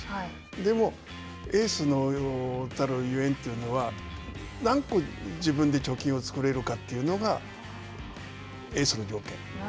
でも、エースたるゆえんというのは、何個自分で貯金を作れるかというのがエースの条件。